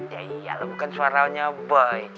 ya iya lo bukan suaranya boy